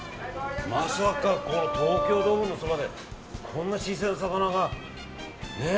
まさか東京ドームのそばでこんな新鮮な魚が。